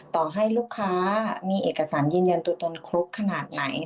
ต่อให้ลูกค้ามีเอกสารยืนยันตัวตนครบขนาดไหน